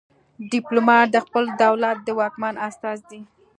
ډیپلومات د خپل دولت د واکمن استازی دی